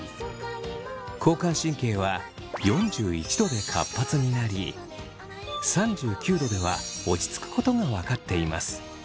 交感神経は４１℃で活発になり３９℃では落ち着くことが分かっています。